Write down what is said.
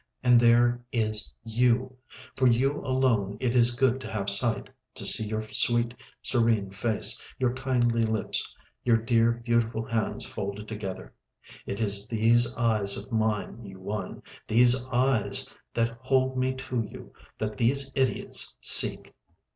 And there is you. For you alone it is good to have sight, to see your sweet, serene face, your kindly lips, your dear, beautiful hands folded together. .... It is these eyes of mine you won, these eyes that hold me to you, that these idiots seek.